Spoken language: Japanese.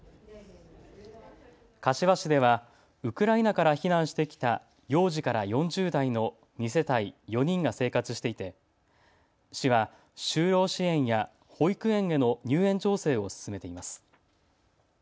柏市ではウクライナから避難してきた幼児から４０代の２世帯４人が生活していて市は就労支援や保育園への入園調整を進めています。